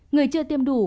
người chưa tiêm đủ